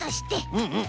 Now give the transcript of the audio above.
うんうん。